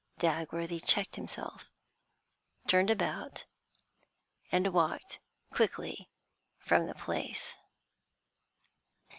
Dagworthy checked himself, turned about, and walked quickly from the place.